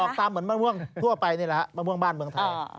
ตามเหมือนมะม่วงทั่วไปนี่แหละฮะมะม่วงบ้านเมืองไทย